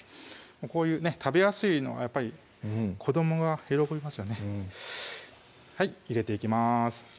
こういうね食べやすいのがやっぱり子どもが喜びますよねはい入れていきます